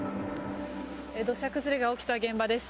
土砂崩れが起きた現場です。